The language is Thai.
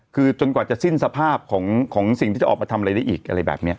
คือจนกว่าจะสิ้นสภาพของสิ่งที่จะออกมาทำอะไรได้อีกอะไรแบบนี้